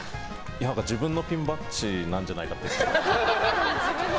何か自分のピンバッジなんじゃないかと思って。